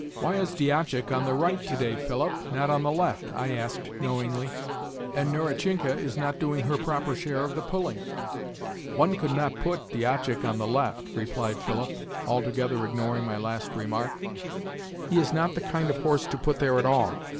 "Why is Diashak on the right today, Philip, not on the left?" I asked knowingly. "And Nerusinka is not doing her proper share of the pulling." "One could not put Diashak on the left," replied Philip, altogether ignoring my last remark. "He is not the kind of horse to put there at all.